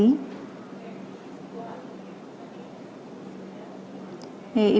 ibu putri chandrawati